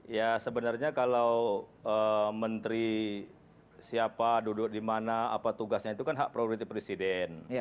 ya sebenarnya kalau menteri siapa duduk di mana apa tugasnya itu kan hak prioritas presiden